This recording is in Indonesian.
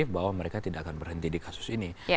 bahwa mereka tidak akan berhenti di kasus ini